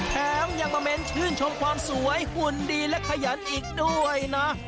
แถมยังมาเม้นชื่นชมความสวยหุ่นดีและขยันอีกด้วยนะ